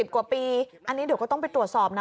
กว่าปีอันนี้เดี๋ยวก็ต้องไปตรวจสอบนะ